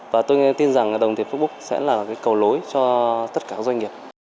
và tôi tin rằng cái đồng tiền facebook sẽ là cầu lối cho tất cả doanh nghiệp